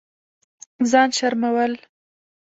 ځان شرمول